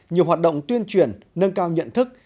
nhiều hoạt động tuyên truyền nâng cao nhận thức